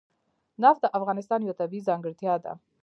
نفت د افغانستان یوه طبیعي ځانګړتیا ده.